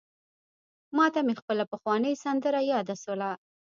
ماته مي خپله پخوانۍ سندره یاده سوله: